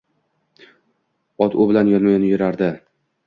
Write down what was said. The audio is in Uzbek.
Ot u bilan yonma-yon yurardi